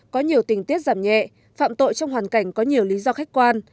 có nhiều tình tiết giảm nhẹ phạm tội trong hoàn cảnh có nhiều lý do khách quan